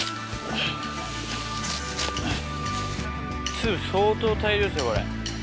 粒、相当大量ですよ、これ。